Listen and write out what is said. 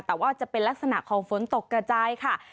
แต่ว่าจะเป็นลักษณะของฝนตกกระจายค่ะ